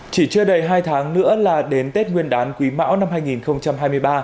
chỉ chưa đầy hai tháng nữa là đến tết nguyên đán quý mão năm hai nghìn hai mươi ba